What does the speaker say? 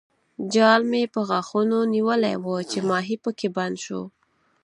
جال مې په غاښونو نیولی وو چې ماهي پکې بند شو.